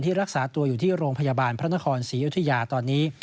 รักษาตัวอยู่ที่โรงพยาบาลพระนครศรีอยุธยาตอนนี้